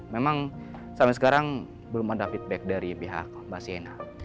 memang sampai sekarang belum ada feedback dari pihak mbak sena